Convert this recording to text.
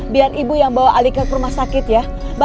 biar ibu yang bawa alika ke rumah sakit ya